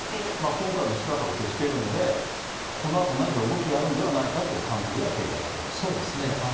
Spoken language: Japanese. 今回も姿を消しているので、このあと、何か動きがあるんではそうですね。